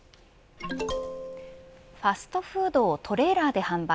ファストフードをトレーラーで販売。